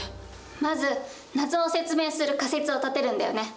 まず謎を説明する仮説を立てるんだよね。